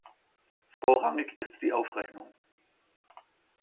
Vorrangig ist die Aufrechnung.